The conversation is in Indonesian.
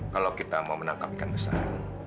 kalau kita mau menangkap ikan besar